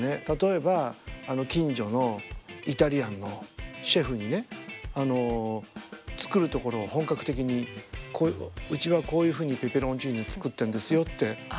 例えば近所のイタリアンのシェフにね作るところを本格的にうちはこういうふうにペペロンチーノを作ってるんですよって